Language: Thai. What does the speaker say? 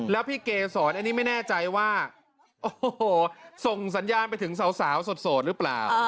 แล้วพี่เกศรอันนี้ไม่แน่ใจว่าโอ้โหส่งสัญญาณไปถึงสาวโสดหรือเปล่า